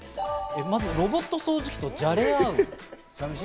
まずロボット掃除機とじゃれ合う。